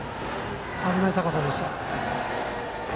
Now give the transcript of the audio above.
危ない高さでした。